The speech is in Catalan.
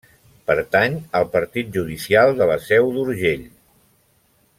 Pertany al partit judicial de La Seu d’Urgell.